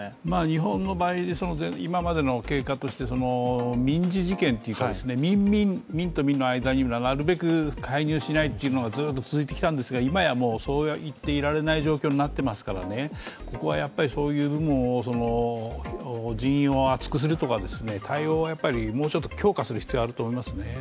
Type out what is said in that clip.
日本の場合、今までの経過として民事事件というのは民と民の間になるべく介入しないというのがずっと続いてきたんですが、今やそう言っていられない状況になっていますから、ここはやっぱりそういうところを人員を厚くするとか、対応をもうちょっと強化する必要があると思いますね。